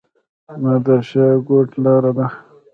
نادر شاه کوټ لاره ده؟